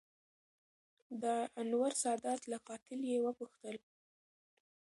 دانور سادات له قاتل یې وپوښتل